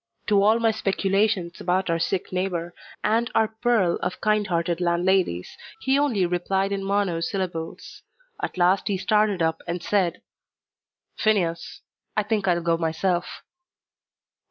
To all my speculations about our sick neighbour, and our pearl of kind hearted landladies, he only replied in monosyllables; at last he started up and said, "Phineas, I think I'll go myself."